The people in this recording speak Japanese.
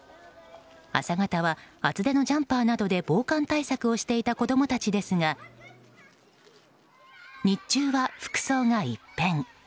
朝方は厚手のジャンパーなどで防寒対策をしていた子供たちですが日中は服装が一変。